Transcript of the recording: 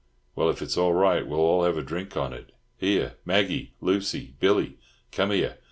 "Well, if it's all right, we'll all have a drink on it. Here, Maggie, Lucy, Billy, come here.